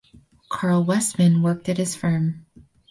Carl Westman worked at his firm.